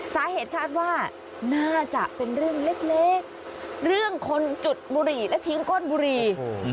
สาเหตุคาดว่าน่าจะเป็นเรื่องเล็กเรื่องคนจุดบุหรี่และทิ้งก้นบุหรี่